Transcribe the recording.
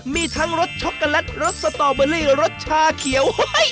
มีทั้งรสช็อกโกแลตรสสตอเบอรี่รสชาเขียว